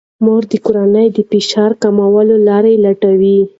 مور د کورنۍ د فشار کمولو لارې لټوي.